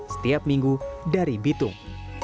setiap minggu dari bitung